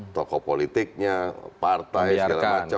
tokoh politiknya partai segala macam